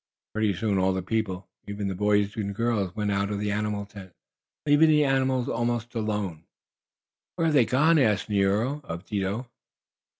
Pretty soon all the people even the boys and girls went out of the animal tent, leaving the animals almost alone. "Where have they gone?" asked Nero of Dido.